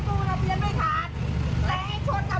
แต่ไอ้ชนกับหมาเนี่ยมันรับผิดชอบกูไหม